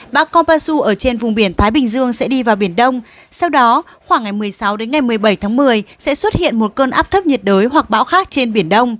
bão kopasu ở trên vùng biển thái bình dương sẽ đi vào biển đông sau đó khoảng ngày một mươi sáu đến ngày một mươi bảy tháng một mươi sẽ xuất hiện một cơn áp thấp nhiệt đới hoặc bão khác trên biển đông